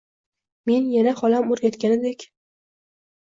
Men yana holam o'rgatganidek: